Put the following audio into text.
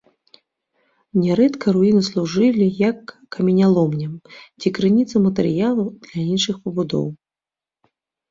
Нярэдка руіны служылі як каменяломня ці крыніца матэрыялу для іншых пабудоў.